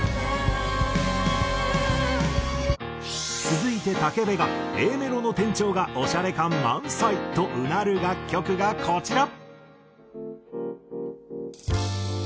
続いて武部がＡメロの転調がオシャレ感満載！とうなる楽曲がこちら。